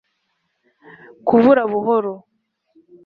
kubura buhoro